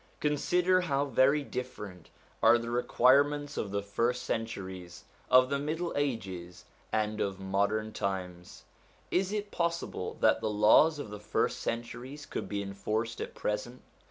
Consider how very different are the requirements of the first centuries, of the middle ages, and of modern times. Is it possible that the laws of the first centuries could be enforced at present